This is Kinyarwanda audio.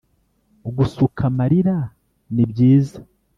gusuka amarira ni byiza